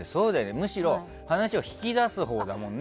むしろ話を引き出すほうだもんね。